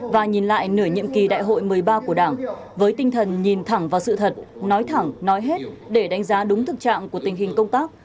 và nhìn lại nửa nhiệm kỳ đại hội một mươi ba của đảng với tinh thần nhìn thẳng vào sự thật nói thẳng nói hết để đánh giá đúng thực trạng của tình hình công tác